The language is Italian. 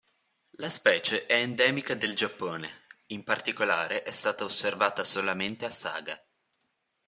La specie è endemica del Giappone, in particolare è stata osservata solamente a Saga.